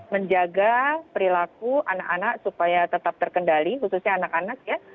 menjaga perilaku anak anak supaya tetap terkendali khususnya anak anak ya